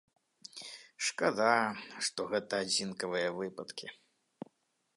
Шкада, што гэта адзінкавыя выпадкі.